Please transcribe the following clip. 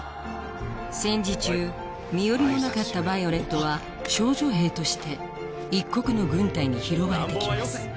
戦時中身寄りのなかったヴァイオレットは少女兵として一国の軍隊に拾われて来ます